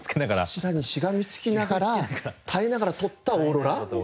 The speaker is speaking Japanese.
柱にしがみつきながら耐えながら撮ったオーロラ？